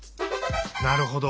なるほど！